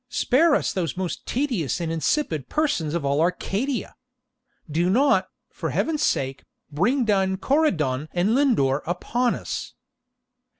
spare us those most tedious and insipid persons of all Arcadia. Do not, for Heaven's sake, bring down Coridon and Lindor upon us.'